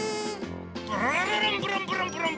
ブルルルブルンブルンブルン。